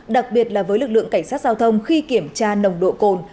đặc biệt là với lực lượng cảnh sát giao thông khi kiểm tra nồng độ cồn